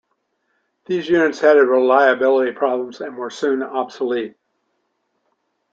These units had reliability problems and were soon obsolete.